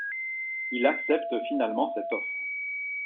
Il accepte finalement cette offre.